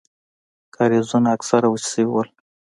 کاريزونه اکثره وچ سوي وو.